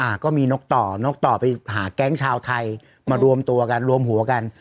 ก็มีนกต่อนกต่อไปหาแก๊งชาวไทยมารวมตัวกันรวมหัวกัน